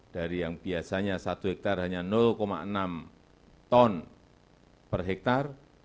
dari yang biasanya satu hektare hanya enam ton per hektare